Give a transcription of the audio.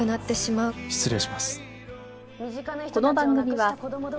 失礼します。